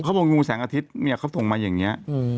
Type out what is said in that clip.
เขาบอกว่างูแสงอาทิตย์เขาส่งมาอย่างนี้